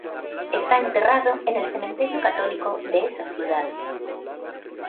Está enterrado en el cementerio católico de esa ciudad.